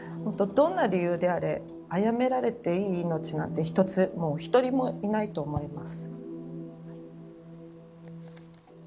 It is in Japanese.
どんな理由であれあやめられていい命なんて１人もいないと思います。